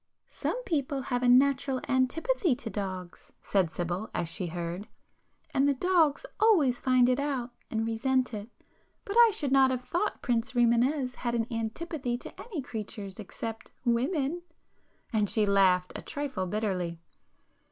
"Some people have a natural antipathy to dogs,"—said Sibyl, as she heard—"And the dogs always find it out, and resent it. But I should not have thought Prince Rimânez had an antipathy to any creatures except—women!" And she laughed, a trifle bitterly.